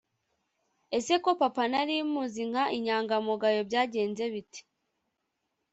ese ko papa nari muzi nka inyangamugayo byagenze bite?